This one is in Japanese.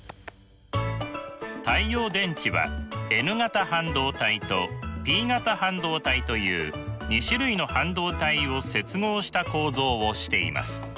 太陽電池はｎ型半導体とｐ型半導体という２種類の半導体を接合した構造をしています。